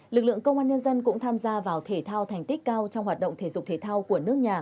lực lượng công an nhân dân cũng tham gia vào thể thao thành tích cao trong hoạt động thể dục thể thao của nước nhà